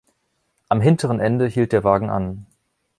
Am hinteren Ende hielt der Wagen an.